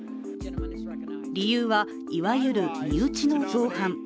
理由は、いわゆる身内の造反。